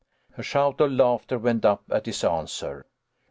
A shout of laughter went up at his answer.